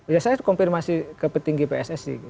ya saya konfirmasi ke petinggi pssi